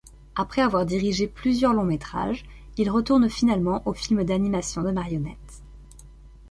Après avoir dirigé plusieurs longs métrages, il retourne finalement aux films d'animation de marionnettes.